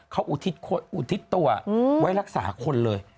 เขาอุทิศตัวไว้รักษาคนเลย